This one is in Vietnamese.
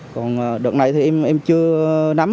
còn đợt này thì em chưa nắm